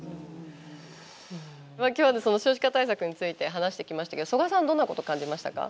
今日は、少子化対策について話してきましたけど曽我さんはどんなことを感じましたか。